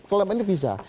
kolemen ini bisa